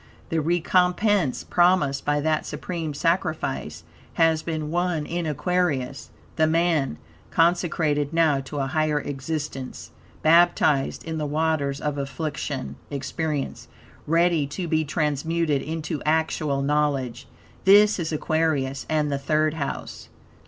The recompense promised by that supreme sacrifice has been won in Aquarius the Man consecrated now to a higher existence, baptized in the waters of affliction (experience), ready to be transmuted into actual knowledge. This is Aquarius, and the Third House.